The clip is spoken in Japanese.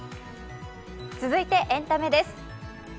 続いてエンタメです。